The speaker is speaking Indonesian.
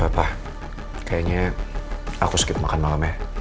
fah kayaknya aku skip makan malamnya